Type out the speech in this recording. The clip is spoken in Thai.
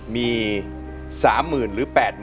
มี๓๘๐๐๐บาท